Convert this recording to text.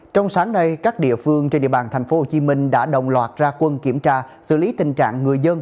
trong sáng nay các địa phương trên địa bàn tp hcm đã đồng loạt ra quân kiểm tra xử lý tình trạng người dân